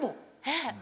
えっ。